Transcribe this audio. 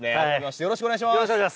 よろしくお願いします。